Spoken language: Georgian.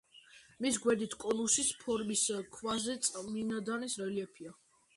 მის გვერდით კონუსის ფორმის ქვაზე წმინდანის რელიეფია.